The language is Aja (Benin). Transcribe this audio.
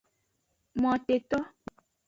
Moteto.